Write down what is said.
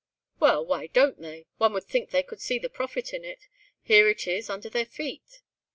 "Well, why don't they? One would think they could see the profit in it. Here it is, under their feet."